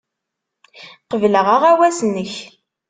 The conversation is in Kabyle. Qebleɣ aɣawas-nnek.